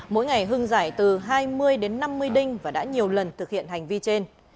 mỗi ngày hưng giải từ hai mươi đến năm mươi đinh và đã nhiều lần thực hiện hành vi trên